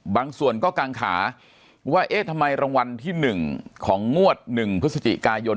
อยู่บางส่วนก็กางขาว่าเอ๊ะทำไมรางวัลที่หนึ่งของงวดหนึ่งพฤษฐกายน